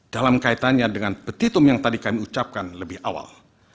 dalam kaitannya dengan petitum yang tadi kami ucapkan lebih awal